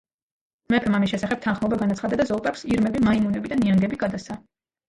მეფემ ამის შესახებ თანხმობა განაცხადა და ზოოპარკს ირმები, მაიმუნები და ნიანგები გადასცა.